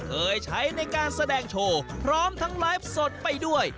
เคยใช้ในการแสดงโชว์พร้อมทั้งไลฟ์สดไปด้วย